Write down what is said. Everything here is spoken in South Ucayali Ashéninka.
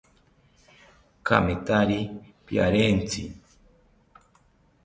Kamethari piarentzi